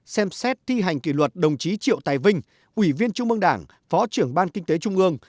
ba xem xét thi hành kỷ luật đồng chí triệu tài vinh ủy viên trung mương đảng phó trưởng ban kinh tế trung ương